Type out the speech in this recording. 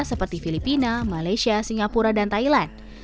seperti filipina malaysia singapura dan thailand